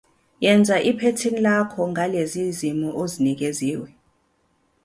Yenza iphethini lakho ngalezi zimo ozinikeziwe.